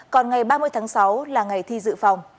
còn ngày ba mươi tháng sáu là ngày thi dự phòng